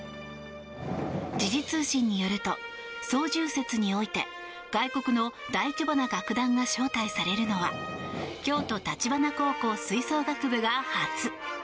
時事通信によると双十節において外国の大規模な楽団が招待されるのは京都橘高校吹奏楽部が初。